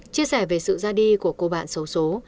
chia sẻ về sự ra đi của cô bạn xấu số